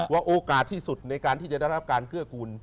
โอกาสที่สุดในการที่จะได้รับการเกื้อกูล